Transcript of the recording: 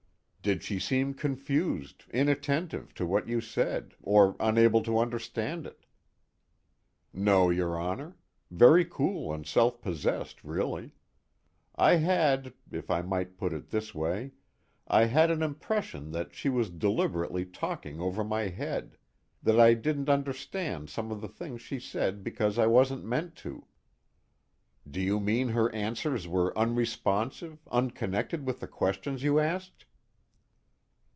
"Did she seem confused, inattentive to what you said or unable to understand it?" "No, your Honor. Very cool and self possessed, really. I had if I might put it this way I had an impression that she was deliberately talking over my head that I didn't understand some of the things she said because I wasn't meant to." "Do you mean her answers were unresponsive, unconnected with the questions you asked?"